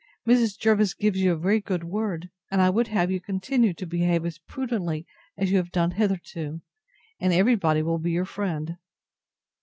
Mrs. Jervis gives you a very good word; and I would have you continue to behave as prudently as you have done hitherto, and every body will be your friend.